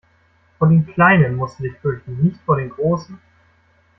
Vor den kleinen musst du dich fürchten, nicht vor den großen!